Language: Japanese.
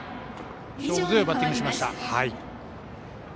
勝負強いバッティングをしました。